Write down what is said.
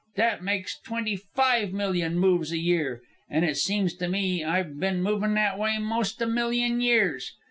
That makes twenty five million moves a year, an' it seems to me I've ben a movin' that way 'most a million years.